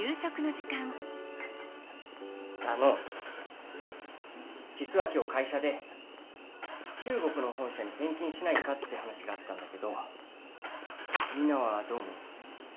あのじつは今日会社で中国の本社にてんきんしないかって話があったんだけどみんなはどう思う？